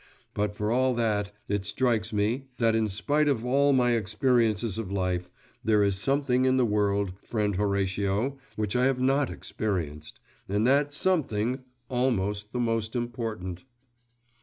… But for all that, it strikes me, that in spite of all my experience of life, there is something in the world, friend Horatio, which I have not experienced, and that 'something' almost the most important.